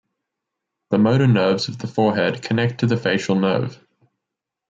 The motor nerves of the forehead connect to the facial nerve.